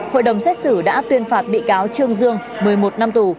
hội đồng xét xử đã tuyên phạt bị cáo trương dương một mươi một năm tù